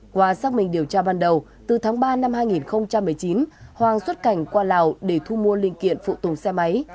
qua xác minh điều tra ban đầu từ tháng ba năm hai nghìn một mươi chín hoàng xuất cảnh qua lào để thu mua linh kiện phụ tùng xe máy